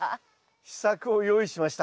秘策を用意しました。